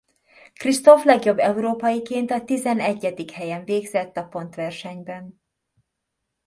Christophe legjobb európaiként a tizenegyedik helyen végzett a pontversenyben.